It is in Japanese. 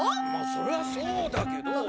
そりゃそうだけど。